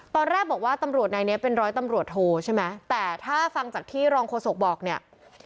ตอนแรกบอกว่าตำรวจนายนี้เป็นร้อยตำรวจโทใช่ไหมแต่ถ้าฟังจากที่รองโฆษกบอกเนี่ย